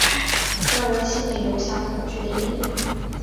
让人心里留下恐惧的阴影